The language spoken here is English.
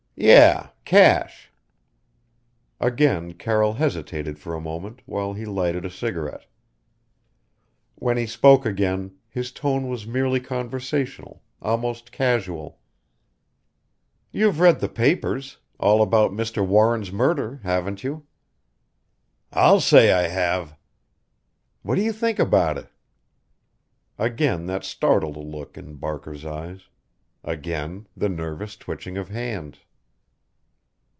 "Yeh cash." Again Carroll hesitated for a moment, while he lighted a cigarette. When he spoke again, his tone was merely conversational, almost casual. "You've read the papers all about Mr. Warren's murder, haven't you?" "I'll say I have." "What do you think about it?" Again that startled look in Barker's eyes. Again the nervous twitching of hands.